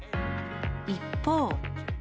一方。